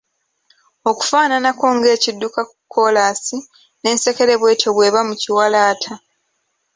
Okufaananako ng’ekidduka ku kolaasi, n’ensekere bw’etyo bw’eba mu kiwalaata.